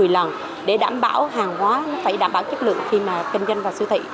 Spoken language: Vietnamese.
năm một mươi lần để đảm bảo hàng hóa đảm bảo chất lượng khi kinh doanh vào siêu thị